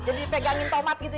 jadi pegangin tomat gitu ya